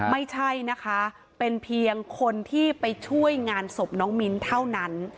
ไม่ใช่นะคะเป็นเพียงคนที่ไปช่วยงานศพน้องมิ้นเท่านั้น